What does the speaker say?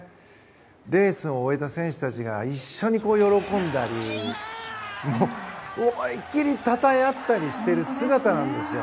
レースを終えた選手たちが一緒に喜んだりもう思いっきりたたえあったりしている姿なんですよ。